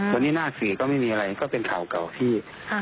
วันนี้หน้าสื่อก็ไม่มีอะไรก็เป็นข่าวเก่าที่